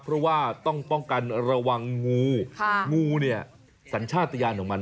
เพราะว่าต้องป้องกันระวังงูงูเนี่ยสัญชาติยานของมัน